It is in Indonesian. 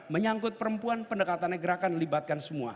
menyangkut perempuan pendekatannya gerakan libatkan semua